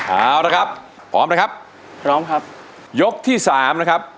เอาละครับพร้อมนะครับพร้อมครับยกที่สามนะครับ